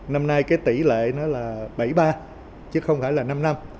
năm nay cái tỷ lệ nó là bảy ba chứ không phải là năm năm